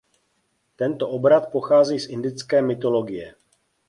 Tento obrat pochází z indické mytologie.